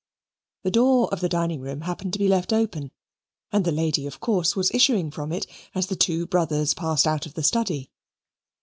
The door of the dining room happened to be left open, and the lady of course was issuing from it as the two brothers passed out of the study.